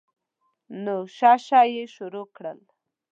نو شه شه یې شروع کړل.